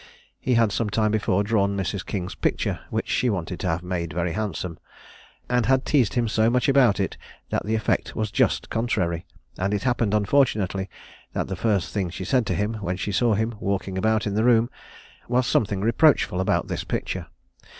He had some time before drawn Mrs. King's picture, which she wanted to have made very handsome, and had teased him so much about it, that the effect was just contrary; and it happened unfortunately, that the first thing she said to him, when she saw him walking about in the room, was something reproachful about this picture.